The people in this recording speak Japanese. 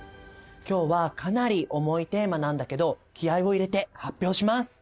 今日はかなり重いテーマなんだけど気合いを入れて発表します。